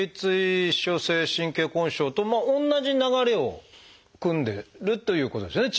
頚椎症性神経根症と同じ流れをくんでるということですよね